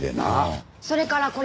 それからこれ。